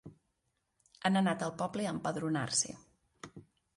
Han anat al poble a empadronar-se.